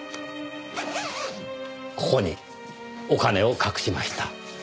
ここにお金を隠しました。